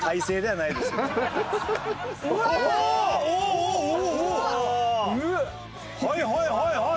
はいはいはいはい。